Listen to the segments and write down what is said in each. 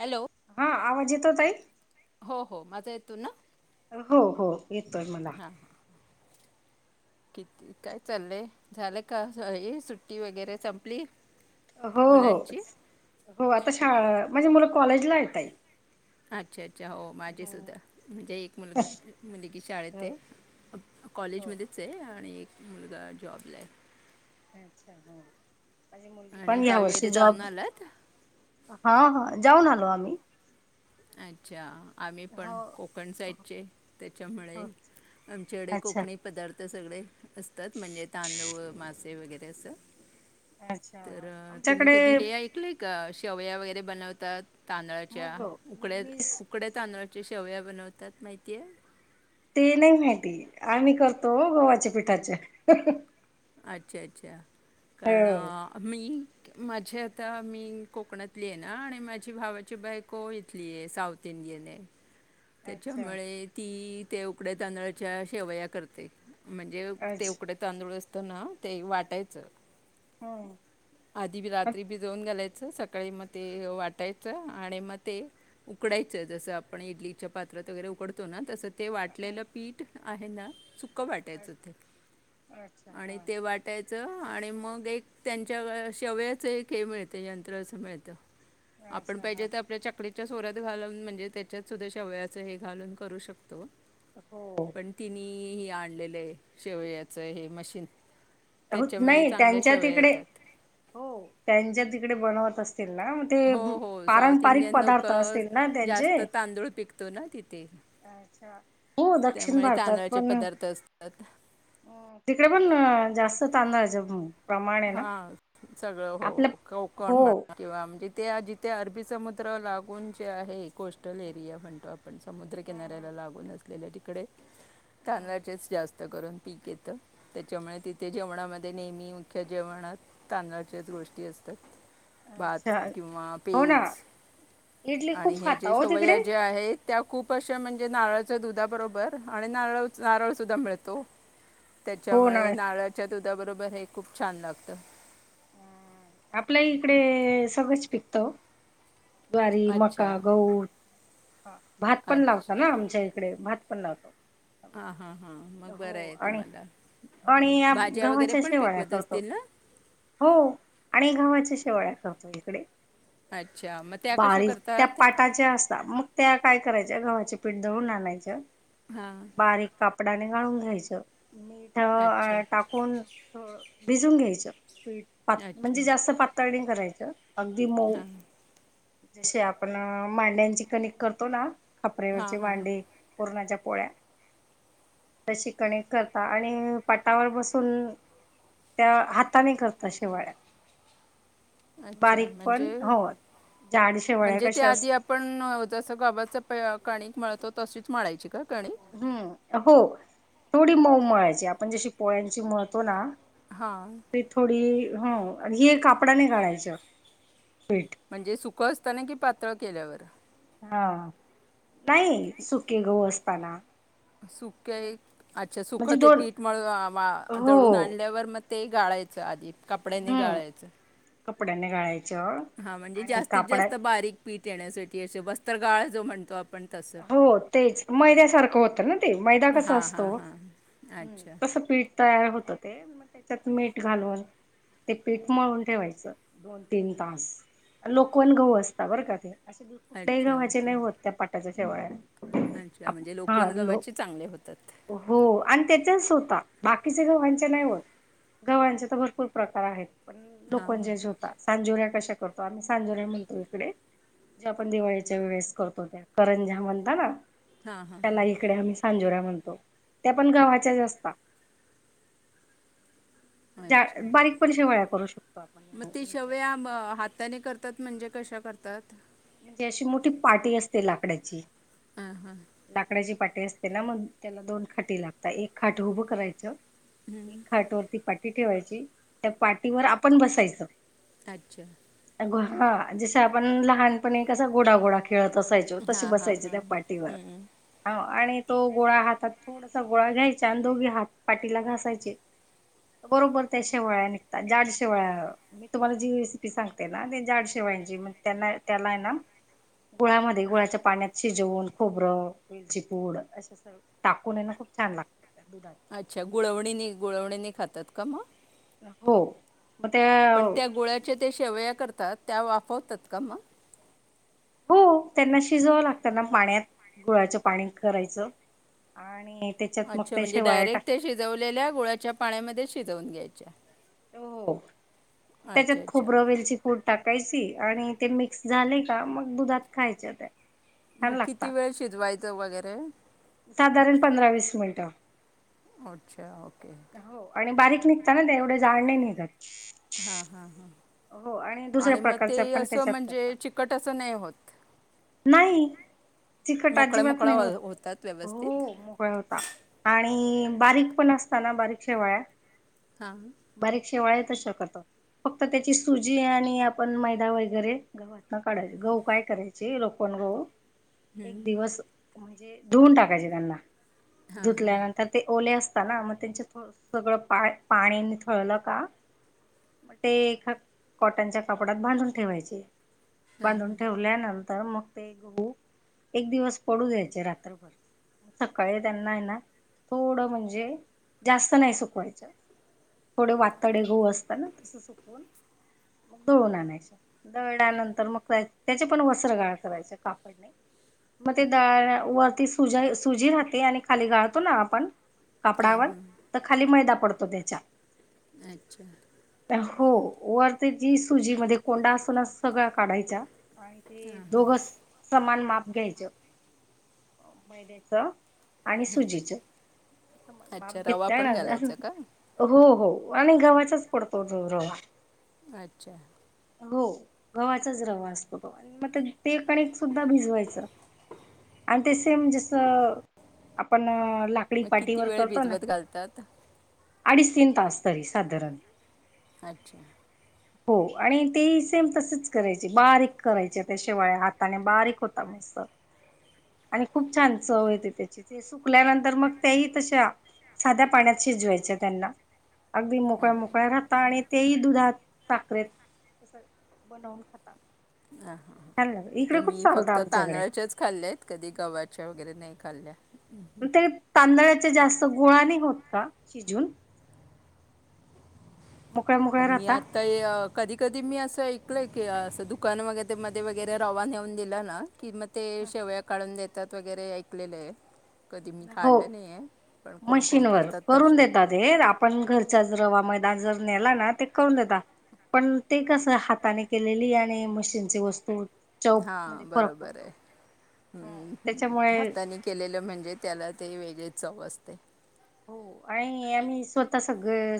Hello. हां. आवाज येतोय ताई? हो. हो. माझा येतोय ना? हो. हो. येतोय मला. ठीक ए. काय चाललंय? झालं का सुट्टी वगैरे संपली? हो. हो. मुलांची हो आता शाळा-माझी मुलं कॉलेजला ए ताई. अच्छा. अच्छा. हो माझीसद्धा. म्हणजे एक मुलग मुलगी शाळेत हो ए. हो कॉलेजमध्येच आहे आणि एक मुलगा जॉबलाय. अच्छा. हां. माझी मुलगी आणि पण ह्या गावी वर्षी वगैरे जाऊन जॉब- आलात हां हां. जाऊन आलो आम्ही. अच्छा! आम्ही पण हो कोकण हो साइडचे त्याच्यामुळे आमच्याकडे अच्छा कोकणी पदार्थ सगळे असतात. म्हणजे तांदूळ, मासे वगैरे असं. अच्छा तर तुम्ही आमच्याकडे कधी हे ऐकलंय का? शेवया वगैरे बनवतात तांदळाच्या, मग उकळेत मीस उकड्या तांदळाच्या शेवया बनवतात माहितीय? ते नाही माहिती. आम्ही करतो गोव्हाच्या पिठाच्या. अच्छा अच्छा! हो कारण मी माझी आता मी कोकणातली आहे ना आणि माझी भावाची बायको इतली आहे साऊथ तीन गेलेय. अच्छा त्याच्यामुळे ती ते उकड्या तांदळाच्या शेवया करते. म्हणजे, ते अच्छा उकडे तांदूळ असतो ना ते वाटायचं. हं, आधीबी रात्री भिजवून घालायचं. सकाळी मग ते वाटायचं, आणि मग ते उकडायचं. जसं आपण इडलीच्या पात्रात वगैरे उकडतो ना तसं ते वाटलेलं पीठ आहे ना, सूकं वाटायचं ते. अच्छा अच्छा आणि हा ते वाट यच आणि मग एक त्यांच्याक शेवयाचं एक हे मिळत यंत्र मिळत. आपण अच्छा पाहिजे हा तर, आपल्या चकली च्या सोर्यात घालून म्हणजे त्याच्यात सुद्धा शेवयाच हे घालून करू शकतो. हो. पण तिनी हे आणलेलं आहे. शेवयाचं हे मशीन. होत त्याच्यामध्ये नाही. चांगल्या त्यांच्या शेवया तिकडे, येतात हो त्यांच्या तिकडे बनवत असतील ना ते हो हो साऊथ पारंपरिक इंडियन लोक पदार्थ असतील ना त्यांचे. जास्त तांदूळ पिकतो ना तिथे अच्छा! हो दक्षिण त्यामुळे भारतात तांदळाचे पण पदार्थ असतात अं, तिकडे पण जास्त तांदळाच्या हा, सगळं हो कोकण हो. म्हण किंवा म्हणजे ते जिथे अरबी समुद्र लागून जे आहे. कोस्टल एरिया म्हणतो आपण. पण, समुद्र हम्म हम्म किनाऱ्याला लागून असलेल्या तिकडे हम्म. तांदळाच जात त करून पीक येत. त्याच्यामुळे तिथे जेवणामध्ये नेहमी अख्ख्या जेवणात तांदळच्याच गोष्टी असतात. भात अच्छा किंवा हो ना पेज इडली आणि खूप हे खाता जे हो तिकडे शेवया जे आहेत. त्या खूप अशा म्हणजे नारळाच्या दुधा बरोबर आणि नारळच नारळ सुद्धा मिळतो. हो ना. त्याच्यामुळे नारळाच्या दुधाबरोबर हे खूप छान लागत. आपल्या इकडे सगळंच पिकतं ओ. ज्वारी, मका, अच्छा गहू, भात पण लावता अच्छा ना आमच्या इकडे. भात पण लावतो. हां हां हां मग हो बरं आहे आणि तुम्हाला आणि भाज्या वगैरे गव्हाच्या पण शेवाळ्या पिकवत करतो. असतील ना हो आणि गव्हाच्या शेवाळ्या करतो इकडे. अच्छा! मग त्या कशा करतात? च्या असता. मग त्या काय करायच्या गव्हाचे पीठ दळून आणायच, हां बारीक कापडाने गाळून घ्यायचं. मीठ अच्छा अ टाकून भिजून घ्यायचं पीठ. अच्छा म्हणजे जास्त पातळ नाही करायचं अगदी मऊ हां जसे आपण मांड्यांची कनिक करतो ना. खापरेवरचे हां हां मांडे पुरणाच्या पोळ्या, तशी कणिक करता आणि पाटावर बसून त्या हाताने करता शेवाळ्या, अच्छा बारीक पण, म्हणजे हो. जाड शेवळ्या म्हणजे कशा त्या अस आधी आ पण जसं गव्हाच प कणिक मळतो, तशीच मळायची का कणिक? हूम्म हो. थोडी मऊ मळायची, आपण जशी पोळ्यांची मळतो ना हां. ते थोडी ह, हि कापडा ने गाळायच पीठ. म्हणजे सुखं असताना, कि पातळ केल्यावर? हा. नाही सुके गहु असताना. सुखे अच्छा सुख म्हणजे ते दोन पीठ मळून वा व हो दळुन आणले वर मग ते गाळायचं आधी, कपड्यांनी हम्म गाळायचं. कपड्याने गाळाय हा म्हणजे जास्तीत जास्त बारीक पीठ येण्यासाठी असे, वस्त्रगाळ जो म्हणतो आपण तसं हो तेच मैद्यासारखं होतं ना ते. मैदा कसा हां असतो? हां हां हुं. अच्छा तस पीठ तयार होत ते, मग त्याच्यात मीठ घालून ते पीठ मळून ठेवायचं. दोन तीन तास, लोकवन गहु असता बरं का ते? असे कुठल्याही अच्छा गव्हाचे ओके नाही होत त्या पाटाच्या शेवाळ्या. अच्छा आप म्हणजे लोकवन हा लो गव्हाचे चांगले होतात. हो आणि त्याच्याच होता, बाकीच्या गव्हाच्या नाही होत. गव्हाचे तर भरपूर प्रकार आहेत, पण हां हां लोकवनचेच होतात. सांजुऱ्या कशा करतो आम्ही? सांजोऱ्या म्हणतो इकडे, जे आपण दिवाळीच्या वेळेस करतो त्या. करंज्या म्हणता ना? हां हां त्याला इकडे आम्ही सांजोऱ्या म्हणतो, त्या पण गव्हाच्याच असता. ज्या अच्छा बारीक पण शेवाळ्या करू शकतो आपण. ती याच्या शेवया हाताने करतात म्हणजे कशा करतात? ती अशी मोठी पाटी असते लाकडाची. हा हा. लाकडाची पाटी असते ना, मंग त्याला दोन खाटी लागतात, एक खाट उभं करायचं एक खाट वरती पाटी ठेवायची, त्या पाटीवर आपण बसायचं. अच्छा. हा जस आपण लहानपणी, कसा घोडा घोडा खेळत असायचो तस, हां हां बसायच हां त्या पाठीवर हम्म. हाव आणि तो गोळा हातात थोडासा गोळा घ्यायचा आणि दोघे हात पाटीला घासायचे. बरोबर त्या शेवाळ्या निघतात री मी तुम्हाला जी रेसिपी सांगते ना, त्या जाड शेवाळ्याची, मग त्यांना त्याला हाय ना? गुळामध्ये, गुळाच्या पाण्यात शिजवून खूप खोबर, वेलचीपूड असे सर्व टाकून ये ना खूप छान लागतं. त्या दुधात अच्छा, गुळवणीनी गुळवणीनी खातात का मग? हो. मग ते पण त्या गुळ्याच्या त्या शेवया करतात, त्या वाफवतात का मग? हो त्यांना शिजवावं लागतना पाण्यात, गुळाचं पाणी करायचं आणि त्याच्यात मग त्या शेवाळ्या टाक भीजवलेल्या गुळाच्या पाण्यामध्ये शिजवून घ्यायच्या. हो हो, अच्छा त्याच्यात अच्छा खोबरं, वेलचि पुड टाकायची आणि ते मिक्स झालय का मग दुधात खायच्या त्या म छान किती लागतात वेळ शिजवायचं वगैरे साधारण पंधरा वीस मिनिटं अच्छा ओके. हो आणि बारीक निघता ना ते एवढे जाड नाय निघत. हां हां हां हो दुसऱ्या आणि म ते प्रकारच पण असं त्याच्यात म्हणजे करतात चिकट असं नाई होत. नाही चिकट मोकळ्या अजिबात मोकळ्या नाय होत हो- होतात हो व्यवस्थित मोकल्या होता. आणि बारीक पण असता ना बारीक शेवाळ्या हा बारीक शेवाळ्या तशा करतात. फक्त त्याची सुजी आणि आपण मैदा वगैरे गव्हातना काढाय गहू काय कराय ची लोकण गहू एक दिवस म्हणजे धुऊन टाकायचे त्यांना धुतल्यानंतर ते ओले असता ना म त्यांच्या थो सगळं पा पाणी निथळलं का म टे एका कॉटनच्या कपड्याात बांधून ठेवायचे. बांधून ठेवल्यानंतर मग ते गहू एक दिवस पडू द्यायचे रात्रभर सकाळी त्यांना हाय ना थोडं म्हणजे जास्त नाय सुकवायचं. थोडे वातडे गहू असत ना तस सुकवून मग दळून आणायच दळल्यानंतर मग त्याचे पण वस्त स्त्र गाळ करायच कापडने म ते दळ वरती सुजा सुजी राहते आणि खाली गाळतो ना आपण हां कापडावर हां त खाली मैदा पडतो त्याच्या अच्छा हो वरती जी सुजी मध्ये कोंडा असतो ना सगळा काढायचा आणि ते दोघ स सामान माप घ्यायच मैंदयाच आणि सुजीच म समान माप अच्छा रवा घेतल्या पण नणं असं घालायचा का हो हो आणि गव्हाचाच पडतो तो रवा अच्छा अ हो गव्हाचाच रवा असतो तो आणि मग ते कणिक सुद्धा भिजवायचं. आणि ते सेम जसं आपण ला आकडी मग किती पाटीवर वेळ करतो ना भिजवत घालतात अडीच तीन तास तरी साधारण अच्छा हो आणि ते ही सेम तसेच करायचे बारीक करायच्या त्या शेवाया हात ताने बारीक होता मस्त आणि खूप छान चव येते त्याची ती ते सुकल्यानंतर मग त्याही तशा साध्या पाण्यात शिजवायच्या त्यांना अगदी मोकळ्या अच्छा मोकळ्या राहतात आणि तेही दुधात साखरेत असं बनवून खाता. ह ह छान लाग आता इकडे खूप मी चालतं फक्त आमच्याकडे तांदळाच्याच खाल्यात. कधी गव्हाच्या वगैरे नाही खाल्ल्या म त्या तांदळाच्या जास्त गोळा नय होत का शिजून. मोकळ्या मोकळ्या मी राहता आता ये अ कधी कधी मी असं ऐकलंय की असं दुकान वग ते मध्ये वग गैरे रवा नेऊन दिला ना की म ते शेवया काढून देतात वगैरे ऐकलेले ये कधी मी काढल्या नाये. मशीन वर करून देतात. हे आपण घरच्याच रवा मैदा जर नेला ना ते करून देता. पण ते कसं हाताने केलेली आणि मशीनची वस्तू चव हा मध्ये फरक बरोबर, पडतो हम त्याच्यामुळे हातानी केलेलं म्हणजे त्याला ते वेगळी चव असते. हो आणि आम्ही स्वतः सगळं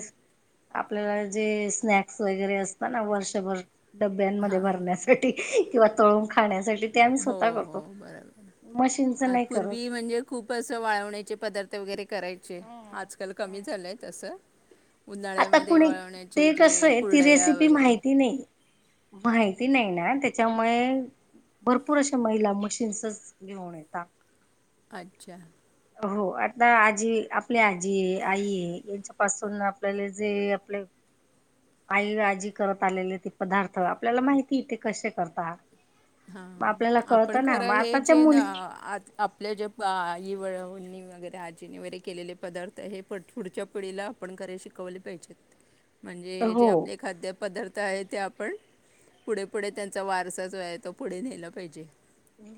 आपल जे स्नॅक्स वगैरे असत ना वर्षभर डब्यांमध्ये भरण्यासाठी किंवा तळून खाण्यासाठी टाइम्स हो होता बग तो. हो बरोबर मशीनचं अ, नाही करत. पूर्वी म्हणजे खूप असं वाळवण्याचे पदार्थ वगैरे करायचे. आजकाल कमी झालंय तसं आता उन्हाळ्यामध्ये कुणी वळवण्याचे ते जे कसं आहे ती कुर्डया रेसिपी वगैरे माहिती नाही माहिती नाही ना त्याच्यामुळे भरपूर अशा महिला मशीन्सच घेऊन येतात. अच्छा! हो. आता आजी आपली आजी आहे आई आहे यांच्यापासून आपल्याला जे आपले [inaudible] आई आजी करत आलेले ते पदार्थ, आपल्याला माहिती ते कसे करतात. हा. मग आपल्याला आपण कळतं ना खरं मग हे आताच्या चेन मुली आपल्या ज्या आई, वहिणी, वगैरे आजीनी वगैरे केलेले पदार्थ हे प पुढच्या पिढीला आपण करायला शिकवले पाहिजेत. [inaudible] म्हणजे हो जे आपले खाद्यपदार्थ आहेत ते आपण, पुढे पुढे त्यांचा वारसा जो आहे तो पुढे नेला पाहिजे,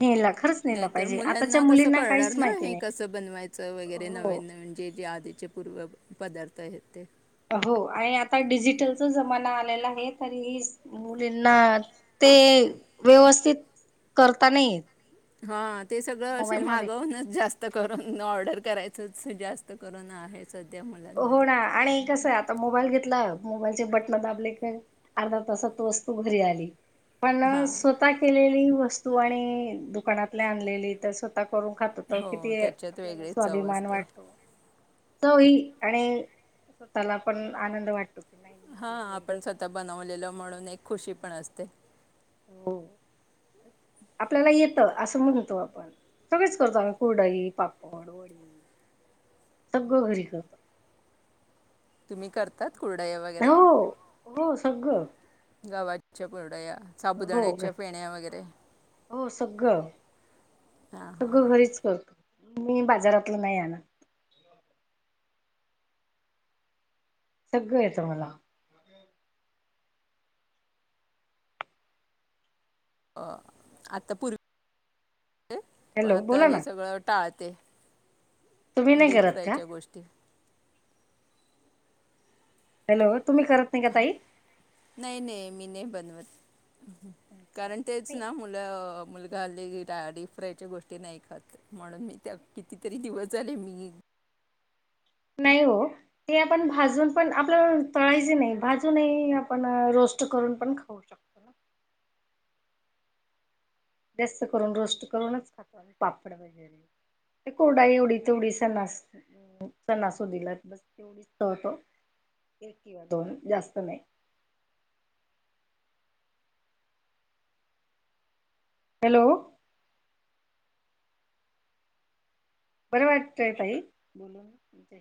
नेला खरंच नेला नाही तर पाहिजे आताच्या मुलांना कस मुलींना कळणार काहीच ना माहिती हे नाही. कसं च असं बनवायचं वगैरे हो. नवीन नवीन जे जे आधीचे पूर्व पदार्थ आहेत ते. हो आणि आता डिजिटलचा जमाना आलेला आहे. तरी मुलींना ते व्यवस्थित करता नाहीे येत. ह. ते सगळं असं मोबाईलमध्ये मागवूनच जास्त जास्त करून ऑर्डर करायचंच, जास्त करून आहे सध्या हो मुलांमध्ये. ना आणि कसं आहे आता मोबाईल घेतला, मोबाईलचे बटन दाबले की अर्धा तासात त वस्तू घरी आली. पण हां स्वतः केलेली वस्तू आणि दुकानातल्या आणलेली तर स्वतः करून खात हो किती त्याच्यात आपल्याला वेगळी चव स्वाभिमान असते वाटतो. तो ही आणि स्वतःला पण आनंद वाटतो. नाही मी हा केलंय. आपण स्वतः बनवलेलो म्हणून एक खुशी पण असते. हो. [inaudible] आपल्याला येतं असं म्हणतो आपण. सगळेच करतो आम्ही कुर्डई, पापड वडी सगळं घरी करतो‌. तुम्ही करतात कुरडया वगैरे, हो. हो सगळं गवाच्या कुरडया हो साबुदाण्याच्या फेण्या वगैरे हां हां सगळ घरीच करतो. मी बाजारातलं नाही आणत. सगळं येत मला. अ आता पूर्वी पण हॅलो आता बोला हे ना सगळं टाळते. तुम्ही नाही डीप करत का? फ्रायच्या गोष्टी. हॅलो. तुम्ही करत नाही का ताई? नाही नाही मी नाही बनवत. अच्छा कारण तेच नाही ना आपला मुलगा ल‌ई डिप फ्रायच्या गोष्टी नाही खात. म्हणून मी त्या, कितीतरी दिवस आले मी नाही हो. ते आपण भाजून पण आपल्याला तळायचे नाही भाजूनही आपण रोस्ट करून पण खाउ शकतो. ना जास्त करून रोस्ट करूनच खातो आ पापड वगैरे. ते कोडा एवढी तेवढी सन्नास सन्नासुदिला बस. एवढचतो एक किवा दोन जास्त नाही. हॅलो. बरं वाटतंय तई.